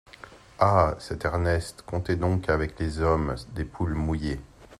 Ah ! cet Ernest, comptez donc avec les hommes, des poules mouillées !